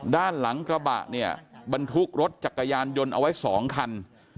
ด้านหลังกระบะเนี่ยบรรทุกรถจักรยานยนต์เอาไว้๒คัน